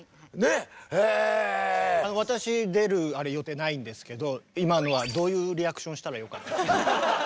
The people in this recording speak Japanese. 私出る予定ないんですけど今のはどういうリアクションしたらよかったですか？